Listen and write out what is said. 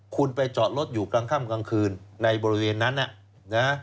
คุณไปจอดรถอยู่กลางค่ำกลางคืนในบริเวณนั้นนะ